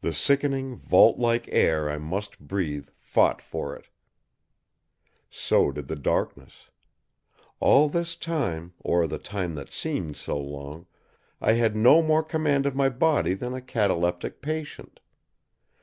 The sickening, vault like air I must breathe fought for It. So did the darkness. All this time, or the time that seemed so long, I had no more command of my body than a cataleptic patient.